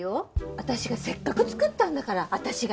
私がせっかく作ったんだから私が。